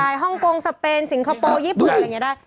ฮ่องกงสเปนสิงคโปร์ญี่ปุ่นอะไรอย่างนี้ได้